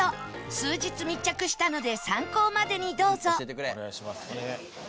数日密着したので参考までにどうぞ